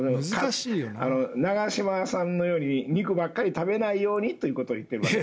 長嶋さんのように肉ばっかり食べないようにということを言っています。